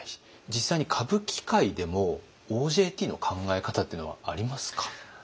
実際に歌舞伎界でもＯＪＴの考え方っていうのはありますか？